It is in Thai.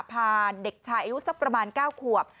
พาเด็กชายอายุสักประมาณ๙ขวบ